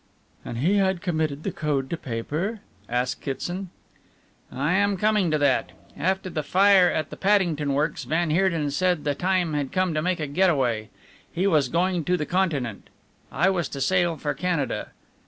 "And he had committed the code to paper?" asked Kitson. "I am coming to that. After the fire at the Paddington works, van Heerden said the time had come to make a get away. He was going to the Continent, I was to sail for Canada.